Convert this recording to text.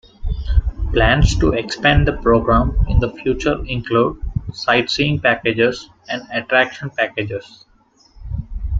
Plans to expand the program in the future include sightseeing packages and attraction packages.